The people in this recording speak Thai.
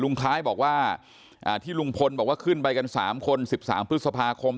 คล้ายบอกว่าที่ลุงพลบอกว่าขึ้นไปกัน๓คน๑๓พฤษภาคม